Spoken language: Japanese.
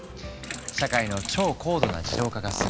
社会の超高度な自動化が進み